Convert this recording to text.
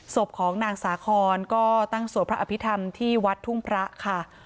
ศพของนางสาคอนก็ตั้งสวดพระอภิษฐรรมที่วัดทุ่งพระค่ะ